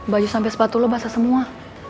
baju sampai sepatu lo basah semua